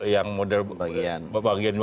yang model bagian